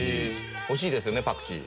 おいしいですよねパクチー。